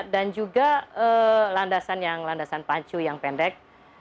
dan juga landasan yang landasan pancu yang pendek